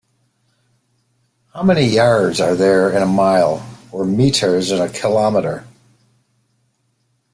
How many yards are there are in a mile, or metres in a kilometre?